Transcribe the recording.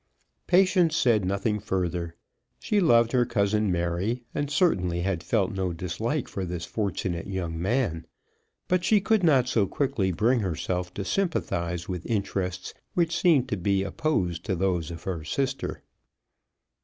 Patience said nothing further. She loved her cousin Mary, and certainly had felt no dislike for this fortunate young man. But she could not so quickly bring herself to sympathise with interests which seemed to be opposed to those of her sister.